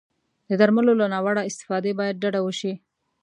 د درملو له ناوړه استفادې باید ډډه وشي.